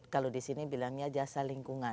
kalau di sini bilangnya jasa lingkungan